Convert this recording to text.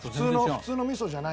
普通の味噌じゃないわ。